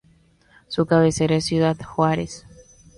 Su cabecera es Ciudad Juárez.